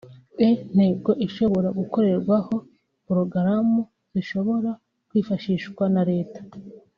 E-ntego ishobora gukorerwaho porogaramu zishobora kwifashishwa na Leta